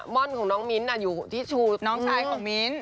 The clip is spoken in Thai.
่อนของน้องมิ้นท์อยู่ที่ชูน้องชายของมิ้นท